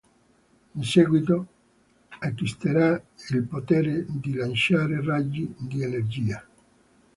In seguito acquisterà il potere di lanciare raggi di energia.